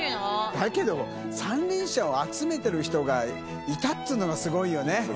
だけど、三輪車を集めてる人がいたっていうのがすごいよね。